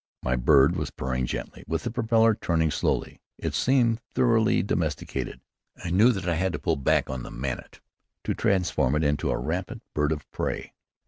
My bird was purring gently, with the propeller turning slowly. It seemed thoroughly domesticated, but I knew that I had but to pull back on that manet to transform it into a rampant bird of prey.